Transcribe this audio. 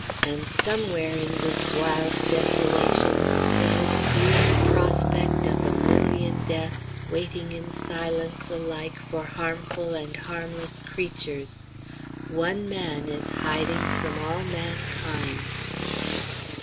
And somewhere in this wild desolation, in this green prospect of a million deaths waiting in silence alike for harmful and harmless creatures, one man is hiding from all mankind.